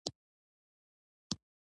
ګلان خوشحالي راولي.